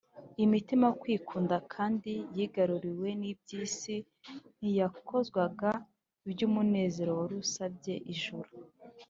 . Imitima yo kwikunda kandi yigaruriwe n’iby’isi ntiyakozwaga iby’umunezero wari usabye ijuru